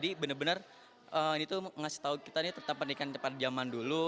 dan itu mengasih tahu kita tentang pendidikan pada zaman dulu